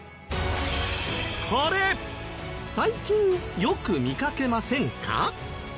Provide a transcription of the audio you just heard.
これ最近よく見かけませんか？